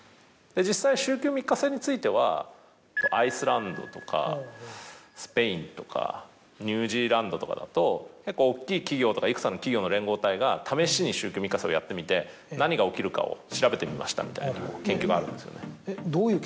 実際週休３日制についてはアイスランドとかスペインとかニュージーランドとかだと結構おっきい企業とかいくつかの企業の連合体が試しに週休３日制をやってみて何が起きるかを調べてみましたみたいな研究があるんですよね。